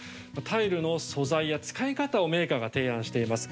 タイルの素材や使い方をメーカーが提案しています。